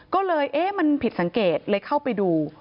ก็เลยเอ๊ะมันผิดสังเกตเลยเข้าไปดู